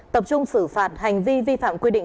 tập trung xử phạt hành vi vi phạm quy định